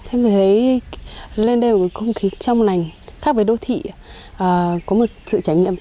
em thấy lên đây có một không khí trong lành khác với đô thị có một sự trải nghiệm